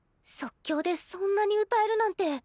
即興でそんなに歌えるなんて。